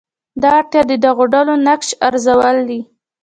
دا اړتیا د دغو ډلو نقش ارزول دي.